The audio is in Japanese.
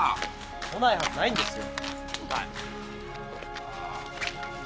来ないはずないんですよ。